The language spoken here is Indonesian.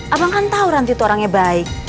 abang kan tau ranti tuh orangnya baik